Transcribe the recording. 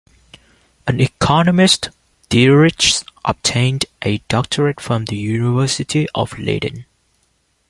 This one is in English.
An economist, Diederichs obtained a doctorate from the University of Leiden.